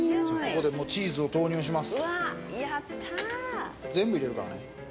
ここでチーズを投入します。